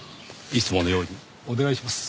いつものようにお願いします。